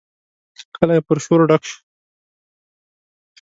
کلی پر شور ډک شو.